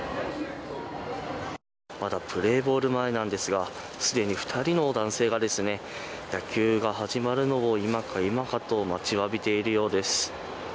まだプレーボール前なんですがすでに２人の男性が野球が始まるのを今か今かと待ちわびているようです。